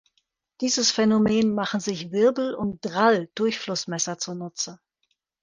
Dieses Phänomen machen sich Wirbel- und Drall-Durchflussmesser zunutze.